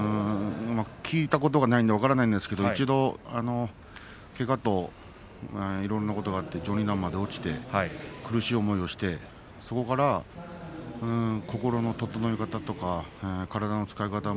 聞いたことがないので分からないですが一度、けがといういろんなことで序二段まで落ちて苦しい思いをして、そこから心の整え方とか体の使い方を